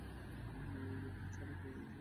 গিকটা ছাড়া পেয়ে গেছে।